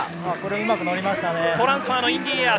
うまく乗りましたね。